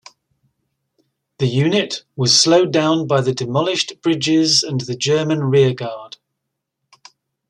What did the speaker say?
The unit was slowed down by the demolished bridges and the German rear guard.